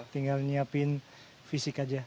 tinggal menyiapkan fisik saja